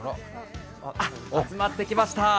集まってきました。